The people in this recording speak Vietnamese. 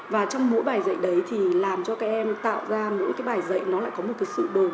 và trong mỗi bài dạy đấy thì làm cho các em tạo ra mỗi bài dạy nó lại có một sự đồn